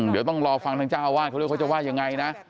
เดี๋ยวต้องรอฟังทางเจ้าอาวาสเขาด้วยเขาจะว่ายังไงนะ